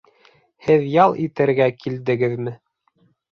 Һеҙ ял итергә килдегеҙме?